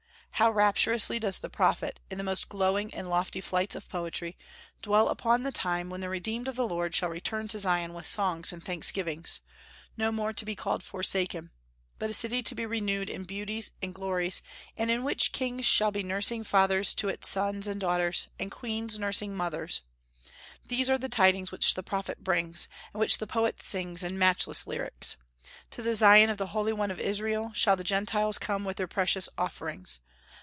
How rapturously does the prophet, in the most glowing and lofty flights of poetry, dwell upon the time when the redeemed of the Lord shall return to Zion with songs and thanksgivings, no more to be called "forsaken," but a city to be renewed in beauties and glories, and in which kings shall be nursing fathers to its sons and daughters, and queens nursing mothers. These are the tidings which the prophet brings, and which the poet sings in matchless lyrics. To the Zion of the Holy One of Israel shall the Gentiles come with their precious offerings.